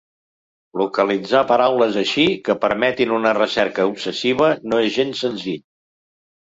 Localitzar paraules així, que permetin una recerca obsessiva, no és gens senzill.